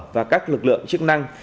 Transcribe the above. và các lực lượng chức năng